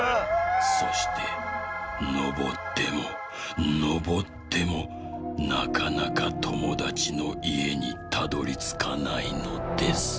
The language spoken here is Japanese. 「そしてのぼってものぼってもなかなかともだちのいえにたどりつかないのです」。